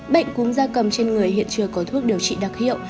bệnh cúm da cầm trên người hiện chưa có thuốc điều trị đặc hiệu